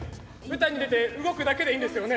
舞台に出て動くだけでいいんですよね？